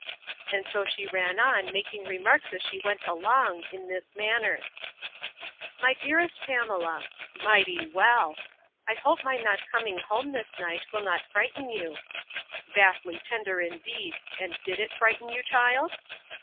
And so she ran on, making remarks as she went along, in this manner: My dearest PAMELA,—'Mighty well!'—I hope my not coming home this night, will not frighten you!—'Vastly tender, indeed!—And did it frighten you, child?